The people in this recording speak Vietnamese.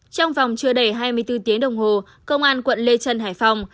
trong vòng chưa đầy hai mươi bốn tiếng đồng hồ công an quận lê trân hải phòng